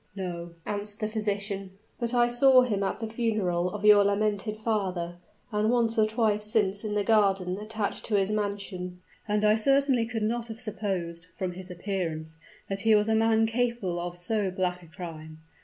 "No," answered the physician; "but I saw him at the funeral of your lamented father, and once or twice since in the garden attached to his mansion; and I certainly could not have supposed, from his appearance, that he was a man capable of so black a crime.